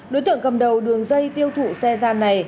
đối tượng cầm đầu đường dây tiêu thụ xe gian này